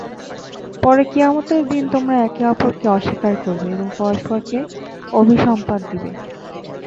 পরে কিয়ামতের দিন তোমরা একে অপরকে অস্বীকার করবে এবং পরস্পরকে অভিসম্পাত দিবে।